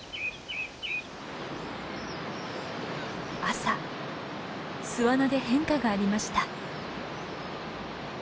朝巣穴で変化がありました。